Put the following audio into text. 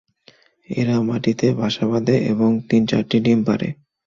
এরা মাটিতে বাসা বাঁধে এবং তিন-চারটি ডিম পাড়ে।